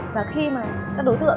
và khi mà các đối tượng